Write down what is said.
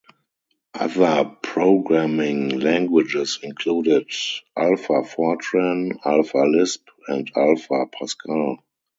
Other programming languages included AlphaFortran, AlphaLisp and AlphaPascal.